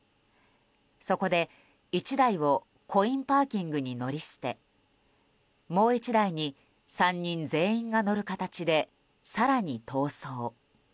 そこで１台をコインパーキングに乗り捨てもう１台に３人全員が乗る形で更に逃走。